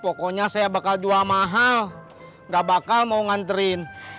pokoknya saya bakal jual mahal gak bakal mau nganterin